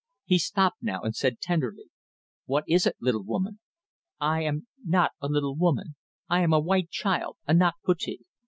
He stopped now and said tenderly "What is it, little woman?" "I am not a little woman. I am a white child. Anak Putih.